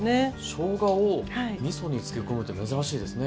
しょうがをみそに漬け込むって珍しいですね。